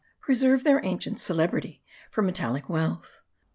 preserve their ancient celebrity for metallic wealth.